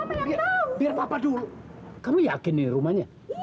mama yang tahu biar papa dulu kamu yakin nih rumahnya iya bener pak